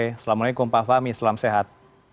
assalamualaikum pak fahmi selamat sehat